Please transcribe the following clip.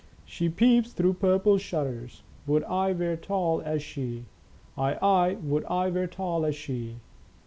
She peeps through purple shutters ; Would I were tall as she. Aye, aye, would I were tall as she.